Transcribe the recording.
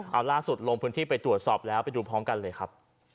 เอาล่าสุดลงพื้นที่ไปตรวจสอบแล้วไปดูพร้อมกันเลยครับ